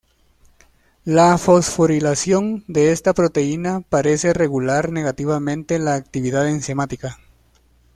La fosforilación de esta proteína parece regular negativamente la actividad enzimática.